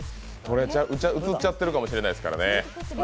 写っちゃってるかもしれませんからね。